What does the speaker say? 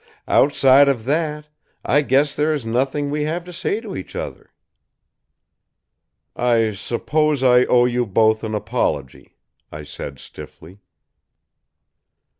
Outside of that, I guess there is nothing we have to say to each other." "I suppose I owe you both an apology," I said stiffly.